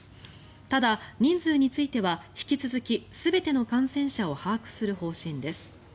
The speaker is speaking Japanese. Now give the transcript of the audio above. ただ、人数については引き続き全ての感染者を把握する方針です。